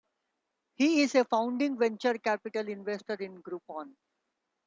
He is a founding Venture Capital Investor in Groupon.